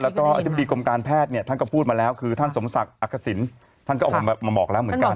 แล้วก็อธิบดีกรมการแพทย์เนี่ยท่านก็พูดมาแล้วคือท่านสมศักดิ์อักษิณท่านก็ออกมาบอกแล้วเหมือนกัน